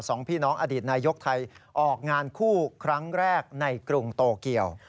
สองพี่น้องอดีตนายกไทยออกงานคู่ครั้งแรกในกรุงโตเกียว